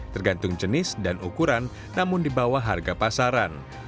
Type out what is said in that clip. tergantung jenis dan ukuran namun di bawah harga pasaran